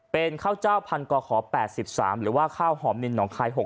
เป็นข้าวเจ้าพันกขแปดสิบสามหรือว่าข้าวหอมลิน